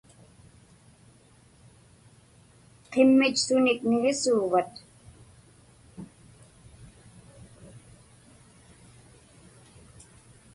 Qimmich sunik niġisuuvat?